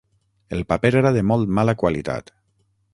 El paper era de molt mala qualitat.